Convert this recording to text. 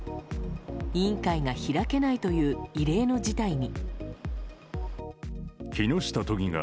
委員会が開けないという異例の事態に。